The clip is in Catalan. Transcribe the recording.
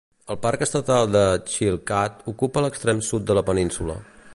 El parc estatal de Chilkat ocupa l'extrem sud de la península.